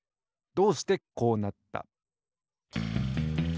どうしてこうなった？